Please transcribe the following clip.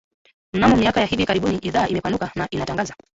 Mnamo miaka ya hivi karibuni idhaa imepanuka na inatangaza